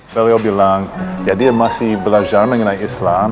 beliau bilang ya dia masih belajar mengenai islam